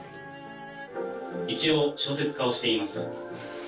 一応、小説家をしています。